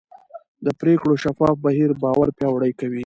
د پرېکړو شفاف بهیر باور پیاوړی کوي